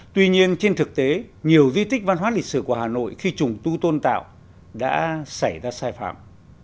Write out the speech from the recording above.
tuy nhiên trên thực tế nhiều di tích văn hóa lịch sử của hà nội khi trùng tu tôn tạo đã xảy ra sai phạm